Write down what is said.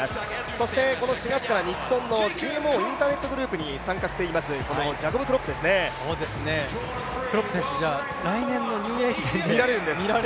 そしてこの４月から日本のＧＭＯインターネットグループに参加していますクロップ選手、来年のニューイヤー駅伝で見られるんですね。